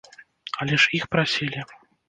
Але ж іх прасілі.